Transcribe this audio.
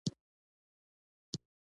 پیلوټ د نړیوالو فورمونو برخه وي.